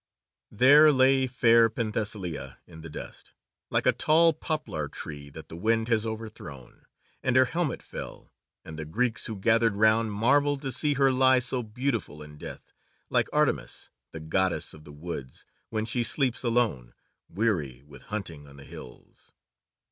There lay fair Penthesilea in the dust, like a tall poplar tree that the wind has overthrown, and her helmet fell, and the Greeks who gathered round marvelled to see her lie so beautiful in death, like Artemis, the Goddess of the Woods, when she sleeps alone, weary with hunting on the hills.